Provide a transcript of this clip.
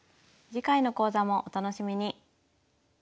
次回の講座もお楽しみに。